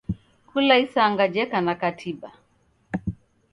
Kula isanga jeka na katiba.